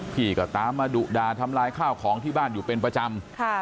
พี่ก็ตามมาดุดาทำลายข้าวของที่บ้านอยู่เป็นประจำ